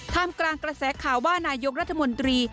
กลางกระแสข่าวว่านายกรัฐมนตรี